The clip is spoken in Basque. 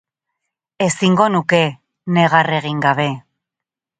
Ezingo nuke, negar egin gabe.